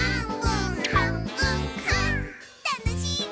たのしいぐ！